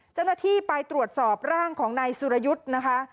เจ้าหน้าที่ไปตรวจสอบร่างของนายสุรยุทธ์นะคะ